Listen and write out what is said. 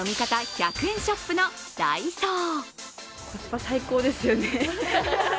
１００円ショップのダイソー。